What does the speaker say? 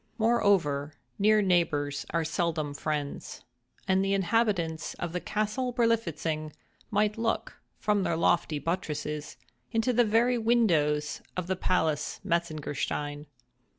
Moreover, near neighbors are seldom friends; and the inhabitants of the Castle Berlifitzing might look, from their lofty buttresses, into the very windows of the palace Metzengerstein.